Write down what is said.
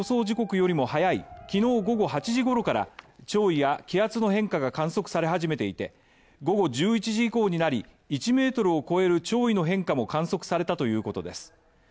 時刻よりも早い昨日午後８時ごろから、潮位や気圧の変化が観測され始めていて、午後１１時以降になり、１ｍを超える潮位の変化も観測されたということです。